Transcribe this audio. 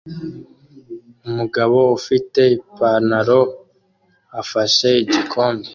Umugabo ufite Ipanaro afashe igikombe